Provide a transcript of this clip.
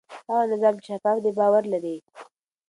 هغه نظام چې شفاف دی باور لري.